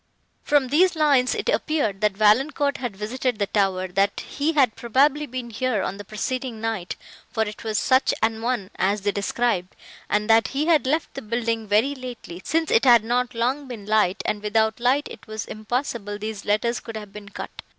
From these lines it appeared, that Valancourt had visited the tower; that he had probably been here on the preceding night, for it was such a one as they described, and that he had left the building very lately, since it had not long been light, and without light it was impossible these letters could have been cut.